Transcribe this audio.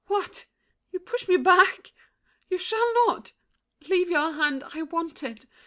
What! You push me back? You shall not! Leave your hand, I want it.